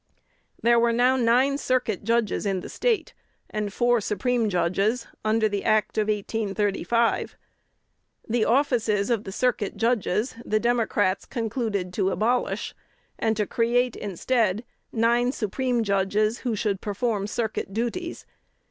There were now nine Circuit judges in the State, and four Supreme judges, under the Act of 1835. The offices of the Circuit judges the Democrats concluded to abolish, and to create instead nine Supreme judges, who should perform circuit duties.